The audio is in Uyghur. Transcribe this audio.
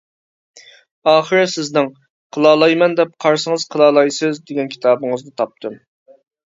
ئاخىرى سىزنىڭ:قىلالايمەن دەپ قارىسىڭىز قىلالايسىز دېگەن كىتابىڭىزنى تاپتىم.